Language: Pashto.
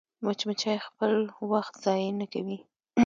مچمچۍ خپل وخت ضایع نه کوي